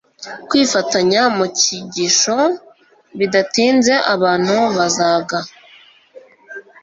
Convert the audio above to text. kwifatanya mu cyigisho bidatinze abantu bazaga